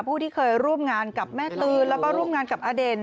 ผู้ที่เคยร่วมงานกับแม่ตืนแล้วก็ร่วมงานกับอเด่น